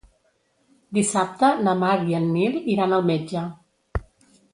Dissabte na Mar i en Nil iran al metge.